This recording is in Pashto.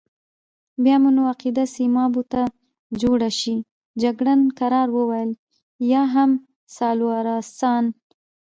بیا مو نو عقیده سیمابو ته جوړه شي، جګړن کرار وویل: یا هم سالوارسان.